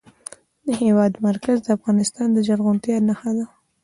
د هېواد مرکز د افغانستان د زرغونتیا نښه ده.